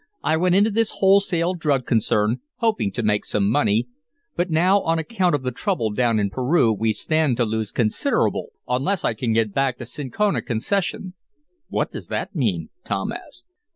I went into this wholesale drug concern, hoping to make some money, but now, on account of the trouble down in Peru, we stand to lose considerable unless I can get back the cinchona concession." "What does that mean?" Tom asked.